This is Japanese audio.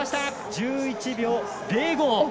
１１秒０５。